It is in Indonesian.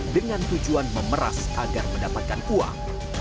dengan tujuan memeras agar mendapatkan uang